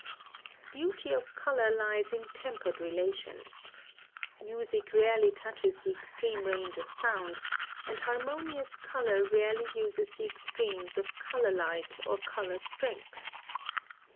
Beauty of Color lies in Tempered Relations. Music rarely touches the extreme range of sound, and harmonious color rarely uses the extremes of color light or color strength.